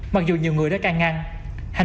mặc dù nhiều người đã can ngăn